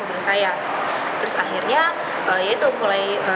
pertama kali saya melihat penyelamatnya menabrak mobil saya